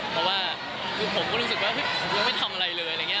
เพราะว่าผมก็รู้สึกว่าพี่ยังไม่ทำอะไรเลย